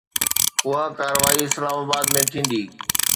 اها ڪارروائي اسلام آباد ۾ ٿيندي.